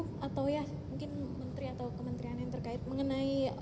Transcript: atau ya mungkin menteri atau kementerian yang terkait mengenai